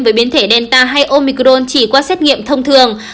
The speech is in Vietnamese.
với biến thể delta hay omicron chỉ qua xét nghiệm thông thường